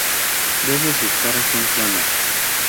Tres de sus caras son planas.